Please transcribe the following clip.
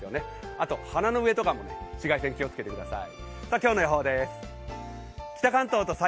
あと鼻の上とかも紫外線気をつけてください。